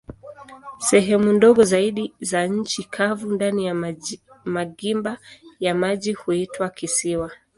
Sehemu ndogo zaidi za nchi kavu ndani ya magimba ya maji huitwa kisiwa.